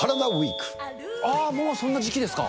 あー、もうそんな時期ですか。